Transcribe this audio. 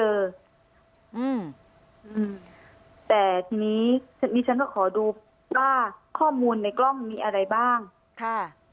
อืมอืมแต่ทีนี้นี่ฉันก็ขอดูว่าข้อมูลในกล้องมีอะไรบ้างค่ะ